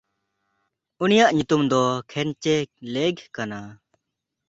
ᱩᱱᱤᱭᱟᱜ ᱧᱩᱛᱩᱢ ᱫᱚ ᱠᱷᱮᱱᱪᱮᱼᱞᱮᱭᱜᱷ ᱠᱟᱱᱟ᱾